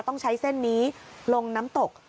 ต้องใช้เส้นนี้ลงน้ำตก